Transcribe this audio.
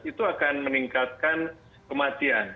itu akan meningkatkan kematian